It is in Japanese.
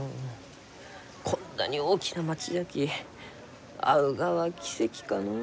こんなに大きな町じゃき会うがは奇跡かのう。